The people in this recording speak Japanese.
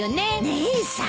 姉さん。